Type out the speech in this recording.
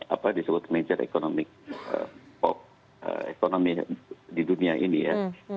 apa disebut major economic hop ekonomi di dunia ini ya